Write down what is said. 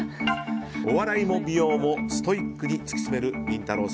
お笑いも美容もストイックに突き詰めるりんたろー。